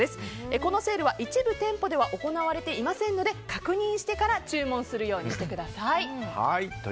このセールは一部店舗では行われていませんので確認してから注文するようにしてください。